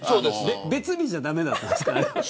別日じゃ駄目だったんですか。